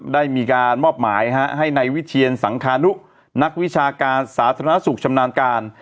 ได้มีการมอบหมายให้ในวิเชียนสังคานุนักวิชาการสาธารณสุขชำนาญการ